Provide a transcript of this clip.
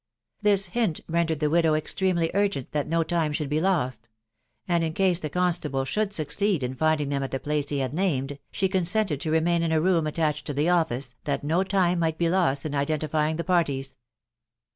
This hint rendered the widow extremely urgent that Be rime should be lost ; and in case the constable should succeed m finding them at the place he had named, she consented is remain in a room attached to the office, that no time might be lost in identifying the parties.